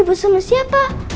pak tata pasal pak